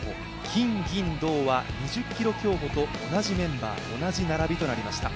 金、銀、銅は２０ｋｍ競歩と同じメンバー、同じ並びとなりました。